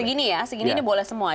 segini ya segini boleh semua